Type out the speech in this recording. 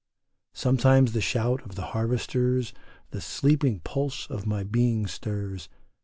Sometimes the shout of the harvesters The sleeping pulse of my being stirs.